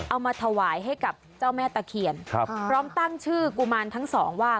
เอามาถวายให้กับเจ้าแม่ตะเคียนครับพร้อมตั้งชื่อกุมารทั้งสองว่า